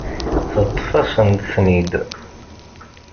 Teṭṭef-asent-ten-id.